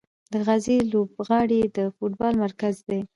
د غازي لوبغالی د فوټبال مرکز دی.